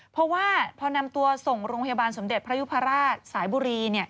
เพราะว่าพอนำตัวส่งโรงพยาบาลสมเด็จพระยุพราชสายบุรี